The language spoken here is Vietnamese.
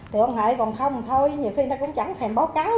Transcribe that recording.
tự quan hệ còn không thì thôi nhiều khi nó cũng chẳng thèm báo cáo